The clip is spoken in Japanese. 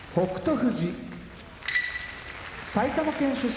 富士埼玉県出身